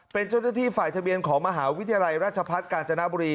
เป็นเจ้าหน้าที่ฝ่ายทะเบียนของมหาวิทยาลัยราชพัฒน์กาญจนบุรี